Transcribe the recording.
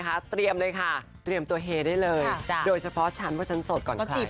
ก็จีบเขาได้เหรอจริง